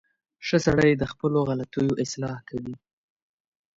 • ښه سړی د خپلو غلطیو اصلاح کوي.